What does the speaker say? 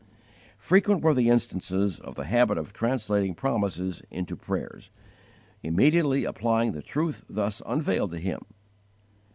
Frequent were the instances of the habit of translating promises into prayers, immediately applying the truth thus unveiled to him.